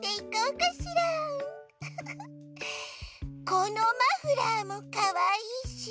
このマフラーもかわいいし。